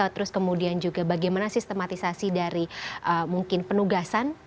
terus kemudian juga bagaimana sistematisasi dari mungkin penugasan